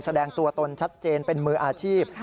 แสดงตัวตนชัดเจนเป็นมืออาชีพ